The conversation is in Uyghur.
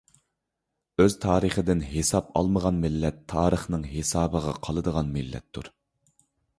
ئۆز تارىخىدىن ھېساب ئالمىغان مىللەت تارىخنىڭ ھېسابىغا قالىدىغان مىللەتتۇر.